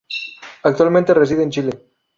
Actualmente reside en Chile.